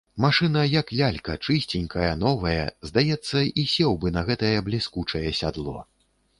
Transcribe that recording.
Машына, як лялька, чысценькая, новая, здаецца, і сеў бы на гэтае бліскучае сядло.